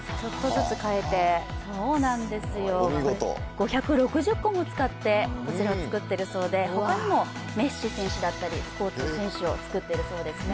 ５６０個も使ってこちらを作っているそうで他にもメッシ選手だったり、スポーツ選手を作っているそうですね。